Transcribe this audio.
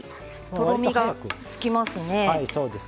とろみがつきますね。